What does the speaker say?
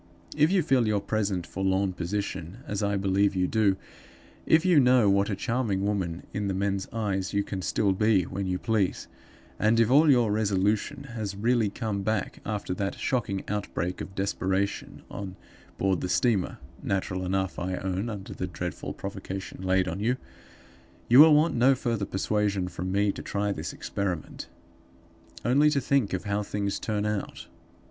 If you feel your present forlorn position, as I believe you do; if you know what a charming woman (in the men's eyes) you can still be when you please; and if all your resolution has really come back, after that shocking outbreak of desperation on board the steamer (natural enough, I own, under the dreadful provocation laid on you), you will want no further persuasion from me to try this experiment. Only to think of how things turn out!